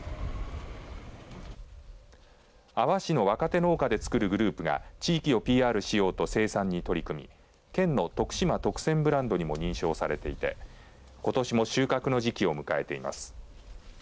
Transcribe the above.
阿波市の若手農家でつくるグループが地域をＰＲしようと生産に取り組み県のとくしま特選ブランドにも認証されていてことしも収穫の時期を迎えています。